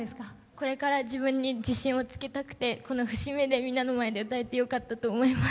これから自分に自信をつけたくてこの節目でみんなの前で歌えてよかったと思います。